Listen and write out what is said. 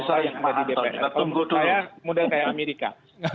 saya model kayak amerika